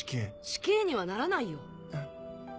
死刑にはならないよ。え。